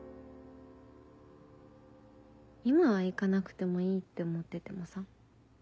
今は行かなくてもいいって思っててもさ